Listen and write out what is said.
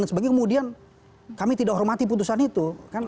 dan sebagainya kemudian kami tidak hormati putusan itu